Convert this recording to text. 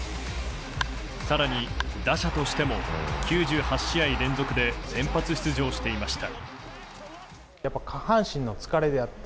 更に、打者としても９８試合連続で先発出場指定ました。